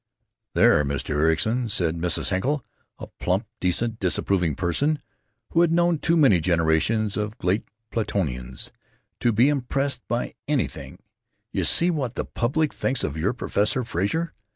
"There, Mr. Ericson," said Mrs. Henkel, a plump, decent, disapproving person, who had known too many generations of great Platonians to be impressed by anything, "you see what the public thinks of your Professor Frazer.